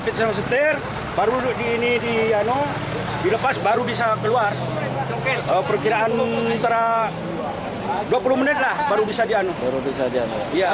kalau dilepas baru bisa keluar perkiraan dua puluh menit lah baru bisa dianuh